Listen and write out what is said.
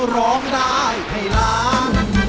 ร้องได้ไอล้าน